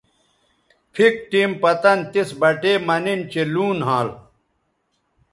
پِھک ٹیم پتَن تِس بٹے مہ نِن چہء لوں نھال